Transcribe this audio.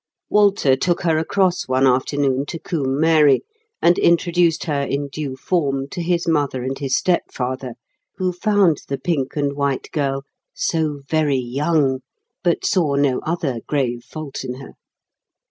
Walter took her across one afternoon to Combe Mary, and introduced her in due form to his mother and his step father, who found the pink and white girl "so very young", but saw no other grave fault in her.